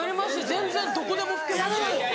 全然どこでも拭けます。